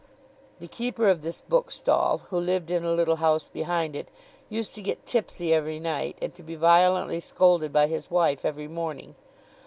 The keeper of this bookstall, who lived in a little house behind it, used to get tipsy every night, and to be violently scolded by his wife every morning.